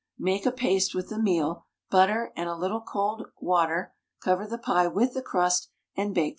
Make a paste with the meal, butter, and a little cold water, cover the pie with the crust, and bake for 1 hour.